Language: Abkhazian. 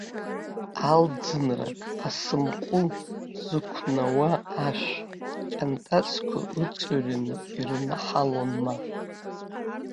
Алӡынрак асымҟәыл зықәнауа ашә ҟьантазқәа ыҵҩрны ирнаҳалон, ма.